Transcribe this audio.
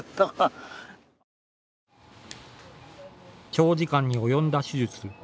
長時間に及んだ手術。